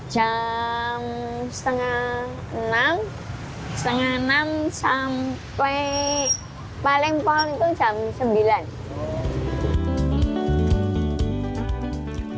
jam setengah enam setengah enam sampai paling pom itu jam sembilan